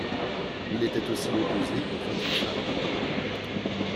Il était aussi opposé au vote des femmes.